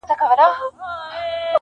دا ټولنه به نو څنکه اصلاح کيږي,